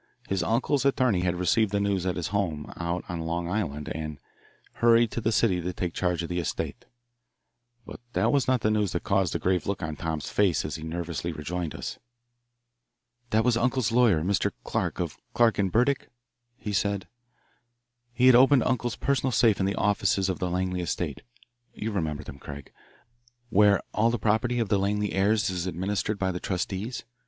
His uncle's attorney had received the news at his home out on Long Island and had hurried to the city to take charge of the estate. But that was not the news that caused the grave look on Tom's face as he nervously rejoined us. "That was uncle's lawyer, Mr. Clark, of Clark & Burdick," he said. "He has opened uncle's personal safe in the offices of the Langley estate you remember them, Craig where all the property of the Langley heirs is administered by the trustees.